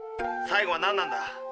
最後はなんだ？